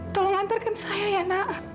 tolong lantarkan saya ya nak